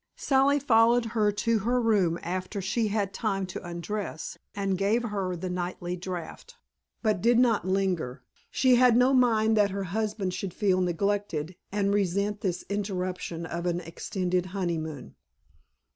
Sally followed her to her room after she had had time to undress and gave her the nightly draught, but did not linger; she had no mind that her husband should feel neglected and resent this interruption of an extended honeymoon.